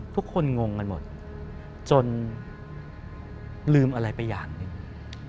งงกันหมดจนลืมอะไรไปอย่างหนึ่ง